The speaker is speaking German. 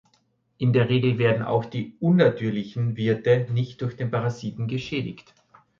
In der Regel werden auch die "unnatürlichen" Wirte nicht durch den Parasiten geschädigt.